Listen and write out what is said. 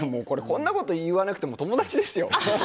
こんなこと言わなくても友達ですよ。